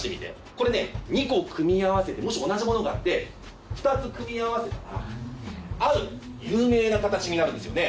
これね２個組み合わせてもし同じものがあって２つ組み合わせたらある有名な形になるんですよね。